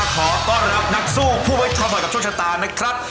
ขอต้อนรับนักสู้ผู้ไว้คอยกับโชคชะตานะครับ